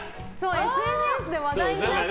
ＳＮＳで話題になってて。